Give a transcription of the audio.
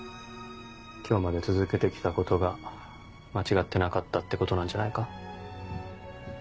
今日まで続けて来たことが間違ってなかったってことなんじゃないか？